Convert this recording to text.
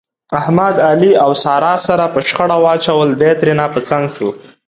احمد، علي او ساره سره په شخړه واچول، دی ترېنه په څنګ شو.